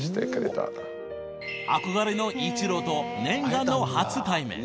憧れのイチローと念願の初対面